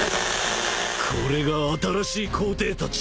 これが新しい皇帝たち！